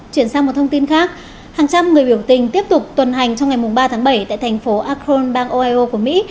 chuyển sang một thông tin khác hàng trăm người biểu tình tiếp tục tuần hành trong ngày ba tháng bảy tại thành phố acron bang ohio của mỹ